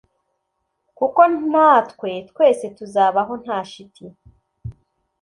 kuko natwe twese tuzabaho nta shiti